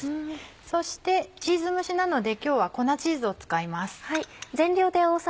そしてチーズ蒸しなので今日は粉チーズを使います。